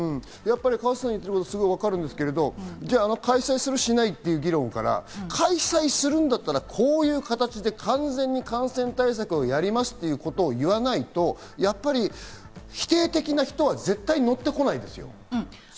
河瀬さんの言ってることよくわかるんですけど、開催するしないっていう議論から、開催するのであればこういう形で完全に感染対策をやりますということを言わないと、やっぱり否定的な人は絶対のってこないですよ。